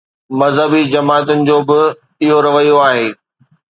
مذهبي جماعتن جو به اهو رويو آهي.